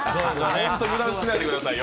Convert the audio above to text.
本当に油断しないでくださいよ。